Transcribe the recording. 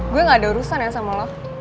gue gak ada urusan ya sama love